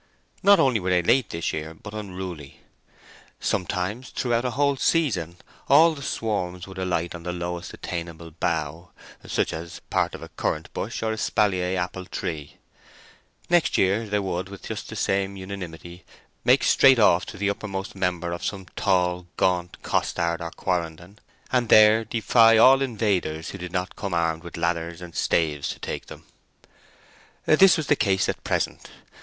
Not only were they late this year, but unruly. Sometimes throughout a whole season all the swarms would alight on the lowest attainable bough—such as part of a currant bush or espalier apple tree; next year they would, with just the same unanimity, make straight off to the uppermost member of some tall, gaunt costard, or quarrenden, and there defy all invaders who did not come armed with ladders and staves to take them. This was the case at present.